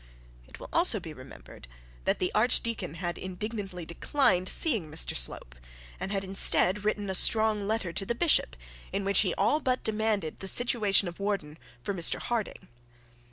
It will also be remembered that the archdeacon had indignantly declined seeing Mr Slope, and had, instead, written a strong letter to the bishop, in which he all but demanded the situation of warden for Mr Harding.